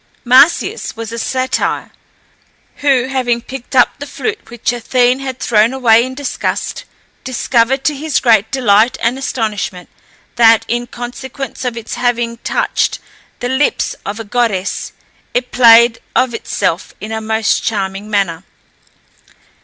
Marsyas was a satyr, who, having picked up the flute which Athene had thrown away in disgust, discovered, to his great delight and astonishment, that, in consequence of its having touched the lips of a goddess, it played of itself in the most charming manner.